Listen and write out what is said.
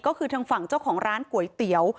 ก็คือทางฝั่งเจ้าของร้านก๋วยเตี๋ยว